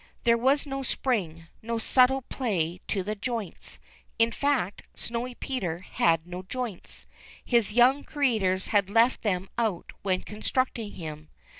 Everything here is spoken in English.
There was no spring, no supple play to the joints ; in fact. Snowy Peter had no joints. His young creators had left them out when constructing him.